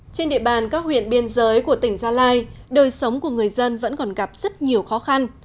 trên địa bàn các huyện biên giới của tỉnh gia lai đời sống của người dân vẫn còn gặp rất nhiều khó khăn